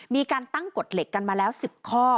มีการตั้งกฎเหล็กกันมาแล้ว๑๐ข้อ